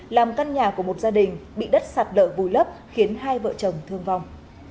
làm căn nhà của một gia đình bị đất sạt lở vùi lấp khiến hai vợ chồng thương vong